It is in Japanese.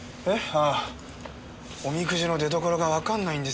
ああおみくじの出どころがわかんないんですよ。